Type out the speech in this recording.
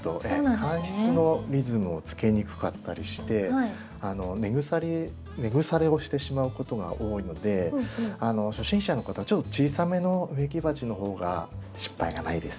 乾湿のリズムをつけにくかったりして根腐れをしてしまうことが多いので初心者の方はちょっと小さめの植木鉢の方が失敗がないです。